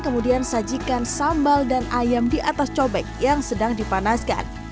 kemudian sajikan sambal dan ayam di atas cobek yang sedang dipanaskan